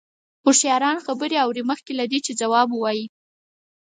هوښیاران خبرې اوري مخکې له دې چې ځواب ووايي.